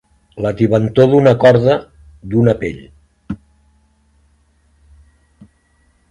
La tibantor d'una corda, d'una pell.